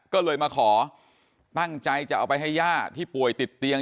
ก็เลยมาขอตั้งใจจะเอาไปให้ย่าที่ป่วยติดเตียง